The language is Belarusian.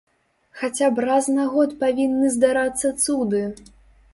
Хаця б раз на год павінны здарацца цуды!